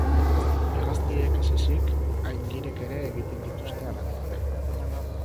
Hegaztiek ez ezik, aingirek ere egiten dituzte halakoak.